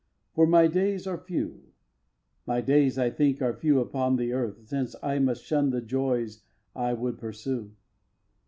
For my days are few; My days, I think, are few upon the earth Since I must shun the joys I would pursue.